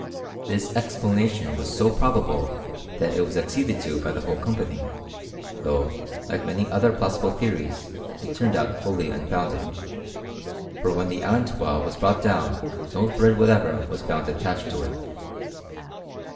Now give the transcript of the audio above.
This explanation was so pro bable, that it was acceded to by the whole company ; though, like many other plausible theories, it turned out wholly unfounded; for when the allentois was brought down no thread whatever was found attached to it.